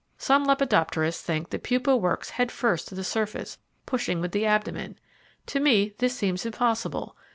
Some lepidopterists think the pupa works head first to the surface, pushing with the abdomen. To me this seems impossible.